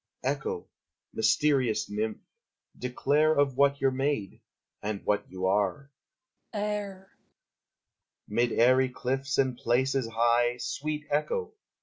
_ Echo! mysterious nymph, declare Of what you're made, and what you are. Echo. Air! Lover. Mid airy cliffs and places high, Sweet Echo!